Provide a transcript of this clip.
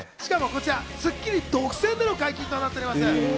しかも、こちら『スッキリ』独占での解禁となっております。